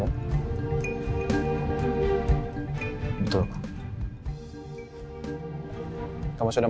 angga sahabat saya tuh tau banyak sesuatu